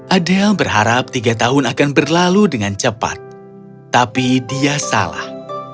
adel berharap tiga tahun akan berlalu dengan cepat tapi dia salah